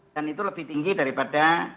dan itu lebih tinggi daripada